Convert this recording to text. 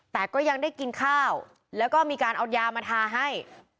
แต่ก็ยังได้กินข้าวแล้วก็มีการเอายามาทาให้